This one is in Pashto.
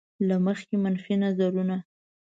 له مخکې منفي نظرونه.